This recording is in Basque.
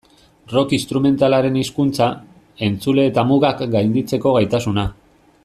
Rock instrumentalaren hizkuntza, entzule eta mugak gainditzeko gaitasuna.